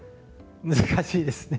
難しいですね。